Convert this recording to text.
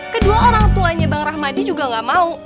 kedua orang tuanya bang rahmadi juga gak mau